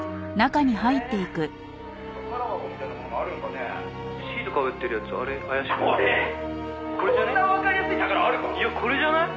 「いやこれじゃない？」